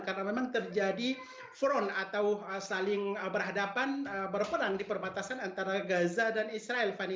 karena memang terjadi front atau saling berhadapan berperang di perbatasan antara gaza dan israel fani